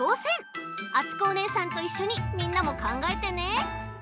あつこおねえさんといっしょにみんなもかんがえてね！